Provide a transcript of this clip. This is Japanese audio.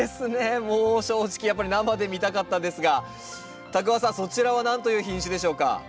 もう正直やっぱり生で見たかったんですが多久和さんそちらは何という品種でしょうか？